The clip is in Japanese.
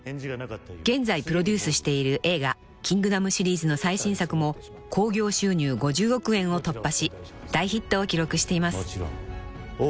［現在プロデュースしている映画『キングダム』シリーズの最新作も興行収入５０億円を突破し大ヒットを記録しています］